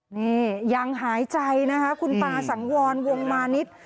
นี่ยังหายใจนะคะคุณตาสังวรวงมานิด